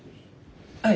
はい。